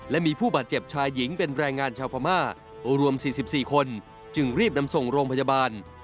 และมีผู้บาดเจ็บชายหญิงเป็นแรงงานชาวพม่ารวม๔๔คนจึงรีบนำส่งโรงพยาบาล